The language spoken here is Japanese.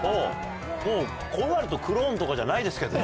もうこうなるとクローンとかじゃないですけどね。